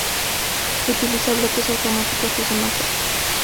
Utiliza bloques automáticos de semáforos.